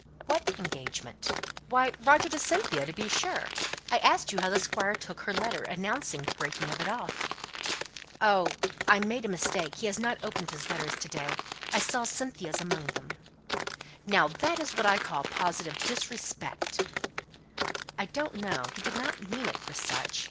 "What engagement?" "Why, Roger to Cynthia, to be sure. I asked you how the Squire took her letter, announcing the breaking of it off?" "Oh I made a mistake. He hasn't opened his letters to day. I saw Cynthia's among them." "Now that I call positive disrespect." "I don't know. He did not mean it for such.